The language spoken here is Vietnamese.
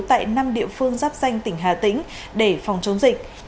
tại năm địa phương giáp danh tỉnh hà tĩnh để phòng chống dịch